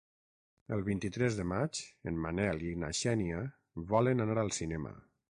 El vint-i-tres de maig en Manel i na Xènia volen anar al cinema.